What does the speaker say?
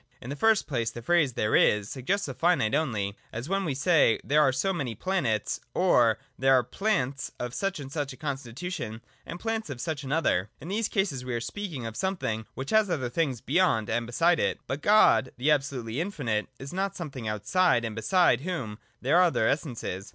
In the first place the phrase ' there is ' suggests a finite only : as when we say, there are so many planets, or, there are plants of such a constitution and plants of such an other. In these cases we are speaking of something which has other things beyond and beside it. But God, the absolutely infinite, is not something outside and beside whom there are other essences.